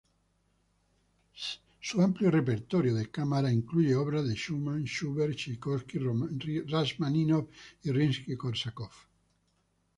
Su amplio repertorio de cámara incluye obras de Schumann, Schubert, Chaikovski, Rajmáninov y Rimski-Kórsakov.